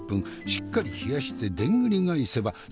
しっかり冷やしてでんぐり返せば